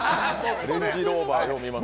レンジローバー、よう見ますよ。